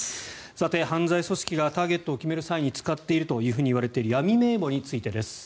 犯罪組織がターゲットを決める際に使っているといわれている闇名簿についてです。